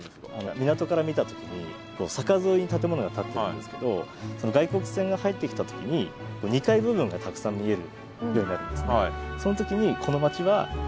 港から見た時に坂沿いに建物が建ってるんですけど外国船が入ってきた時に２階部分がたくさん見えるようになるんですね。